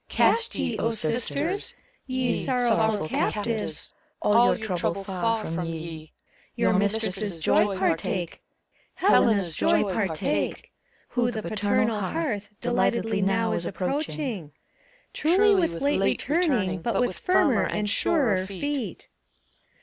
Cast ye, sisters ! ye Sorrowful captives, All your trouble far from ye ! Your mistress's joy partake, Helena's joy partake. Who the paternal hearth Delightedly now is approaching. Truly with late returning But with firmer and surer feet!